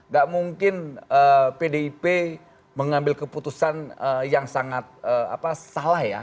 gak mungkin pdip mengambil keputusan yang sangat salah ya